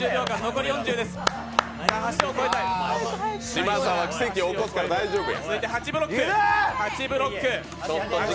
嶋佐が奇跡起こすから大丈夫や。